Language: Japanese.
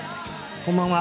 こんばんは。